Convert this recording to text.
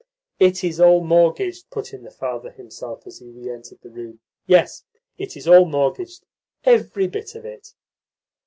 "It is all mortgaged," put in the father himself as he re entered the room. "Yes, it is all mortgaged, every bit of it."